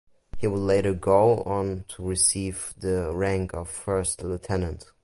He would later go on to receive the rank of first lieutenant.